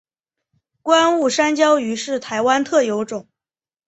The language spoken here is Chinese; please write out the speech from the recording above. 观雾山椒鱼是台湾特有种。